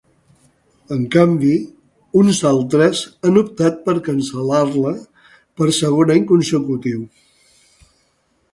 En canvi, uns altres han optat per cancel·lar-la per segon any consecutiu.